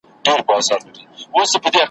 په پردي جنگ كي بايللى مي پوستين دئ ,